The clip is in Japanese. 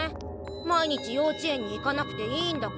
毎日幼稚園に行かなくていいんだから。